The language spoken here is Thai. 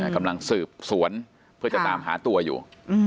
กำลังสืบสวนเพื่อจะตามหาตัวอยู่